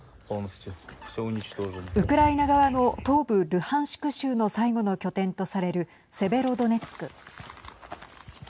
ウクライナ側の東部ルハンシク州の最後の拠点とされるセベロドネツク。